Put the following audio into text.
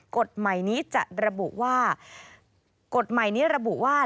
กฎใหม่นี้จะระบุว่า